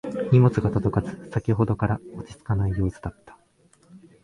荷物が届かず先ほどから落ち着かない様子だった